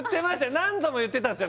何度も言ってたんですよ